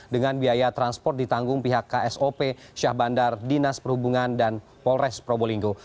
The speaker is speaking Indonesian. dengan biaya transport ditanggung pihak ksop syah bandar dinas perhubungan dan polres probolinggo